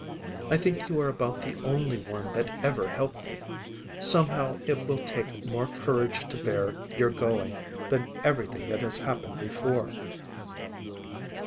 I think you are about the only one that ever helped me. Somehow it will take more courage to bear your going than everything that has happened before."